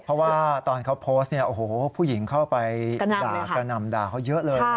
เพราะว่าตอนเขาโพสต์ผู้หญิงเข้าไปด่ากระนำเดาเขาเยอะเลย